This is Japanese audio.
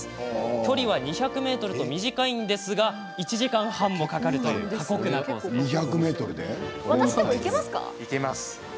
距離は２００ｍと短いんですが１時間半もかかる過酷なコースです。